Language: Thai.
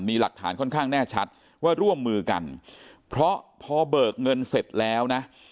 มีหลักฐานค่อนข้างแน่ชัดว่าร่วมมือกันเพราะพอเบิกเงินเสร็จแล้วนะ